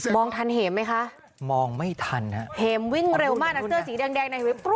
ทันเหมไหมคะมองไม่ทันฮะเห็มวิ่งเร็วมากอ่ะเสื้อสีแดงแดงในวิปุ